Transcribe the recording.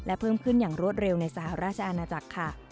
และเพิ่มขึ้นอย่างรวดเร็วในสหราชอาณาจักรค่ะ